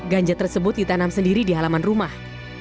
ganja tersebut ditanam sendiri di halaman rumah